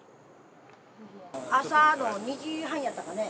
朝の２時半やったかね。